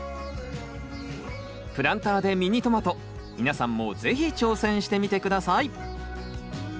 プランターでミニトマト皆さんも是非挑戦してみて下さい。